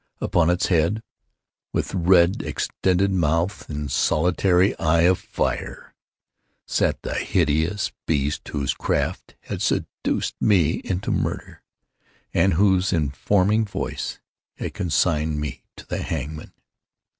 Upon its head, with red extended mouth and solitary eye of fire, sat the hideous beast whose craft had seduced me into murder, and whose informing voice had consigned me to the hangman.